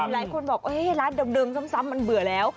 หลายคนบอกร้านเดิมซ้ำมันเบื่อแล้ว